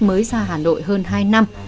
mới ra hà nội hơn hai năm